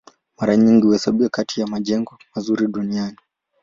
Mara nyingi huhesabiwa kati ya majengo mazuri duniani.